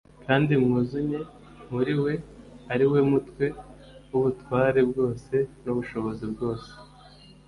Kandi mwuzunye muri we, ariwe mutwe w'ubutware bwose n'ubushobozi bwose'.»